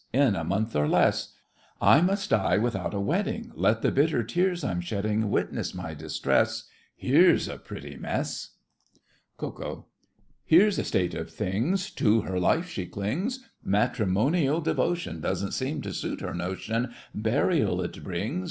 In a month, or less, I must die without a wedding! Let the bitter tears I'm shedding Witness my distress, Here's a pretty mess! KO. Here's a state of things To her life she clings! Matrimonial devotion Doesn't seem to suit her notion— Burial it brings!